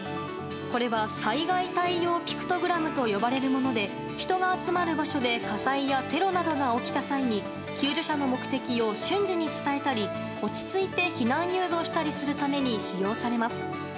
これは災害対応ピクトグラムと呼ばれるもので人が集まる場所で、火災やテロなどの災害が起きた際に救助者の目的を瞬時に伝えたり落ち着いて避難誘導したりするために使用されます。